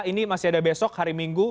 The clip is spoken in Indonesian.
ini masih ada besok hari minggu